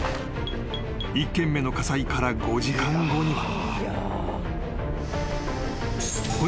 ［１件目の火災から５時間後には］